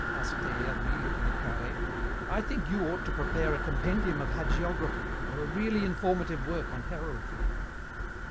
asked Des Hermies, looking at Carhaix. "I think you ought to prepare a compendium of hagiography or a really informative work on heraldry."